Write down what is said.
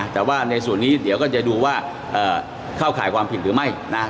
แต่ว่าในส่วนนี้เดี๋ยวก็จะดูว่าเข้าข่ายความผิดหรือไม่นะ